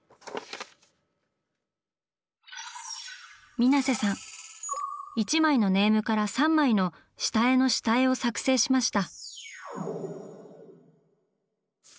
水瀬さん１枚のネームから３枚の「下絵の下絵」を作成しました。